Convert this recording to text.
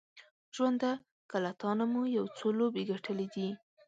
ژونده که له تانه مو یو څو لوبې ګټلې دي